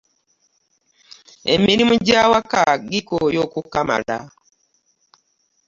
Emirimu gy'awaka gikooya okkumala.